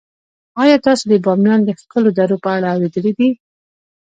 آیا تاسو د بامیان د ښکلو درو په اړه اوریدلي دي؟